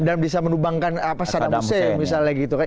dan bisa menubangkan saddam hussein misalnya gitu kan